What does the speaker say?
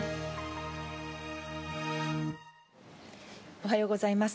おはようございます。